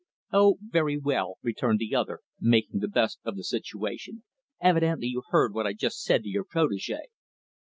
"Oh, very well," returned the other, making the best of the situation. "Evidently, you heard what I just said to your protege."